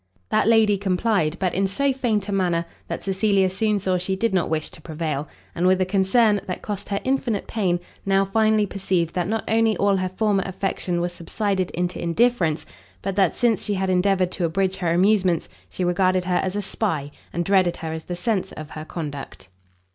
That lady complied, but in so faint a manner, that Cecilia soon saw she did not wish to prevail; and with a concern, that cost her infinite pain, now finally perceived that not only all her former affection was subsided into indifference, but that, since she had endeavoured to abridge her amusements, she regarded her as a spy, and dreaded her as the censor of her conduct.